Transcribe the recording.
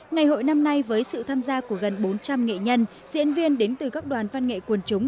ngày hội năm nay với sự tham gia của gần bốn trăm linh nghệ nhân diễn viên đến từ các đoàn văn nghệ quần chúng